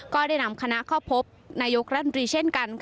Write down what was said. ก็ได้นำคณะเข้าพบนายกรัฐมนตรีเช่นกัน